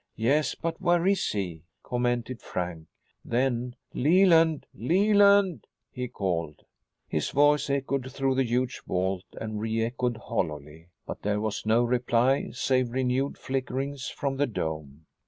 "Yes, but where is he?" commented Frank. Then: "Leland! Leland!" he called. His voice echoed through the huge vault and re echoed hollowly. But there was no reply save renewed flickerings from the dome.